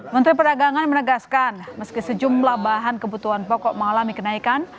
menteri perdagangan menegaskan meski sejumlah bahan kebutuhan pokok mengalami kenaikan